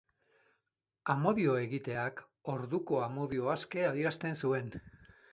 Amodioa egiteak orduko amodio aske adierazten zuen.